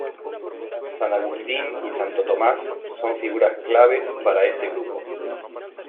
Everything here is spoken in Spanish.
San Agustín y Santo Tomás son figuras claves para este grupo.